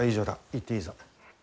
行っていいぞ。